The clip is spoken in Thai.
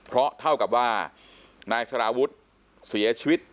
เพราะเท่ากับว่านายสารวุฒิเสียชีวิต